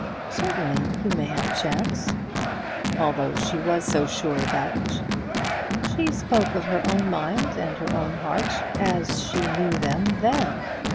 "Certainty you may have a chance." "Although she was so sure about it?" "She spoke of her own mind and her own heart as she knew them then.